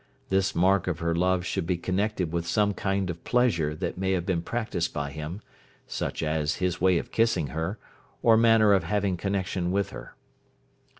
This mark of her love should be connected with some kind of pleasure that may have been practised by him, such as his way of kissing her, or manner of having connection with her.